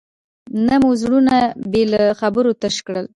نه مو زړونه بې له خبرو تش کړل.